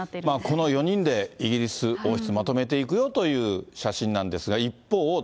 この４人でイギリス王室、まとめていくよという写真なんですが。